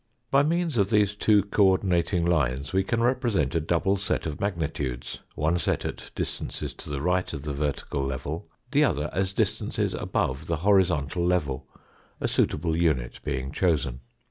By means of these two co ordin ating lines we can represent a double set of magnitudes ; one set j as distances to the right of the ver Fig. 47. tical level, the other as distances above the horizontal level, a suitable unit being chosen.